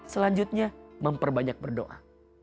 selanjutnya memperbanyak berdoa